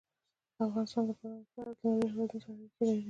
افغانستان د بادام له پلوه له نورو هېوادونو سره اړیکې لري.